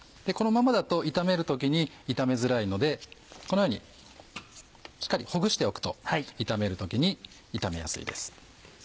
このままだと炒める時に炒めづらいのでこのようにしっかりほぐしておくと炒める時に炒めやすいです。